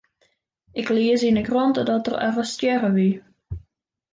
Ik lies yn 'e krante dat er arrestearre wie.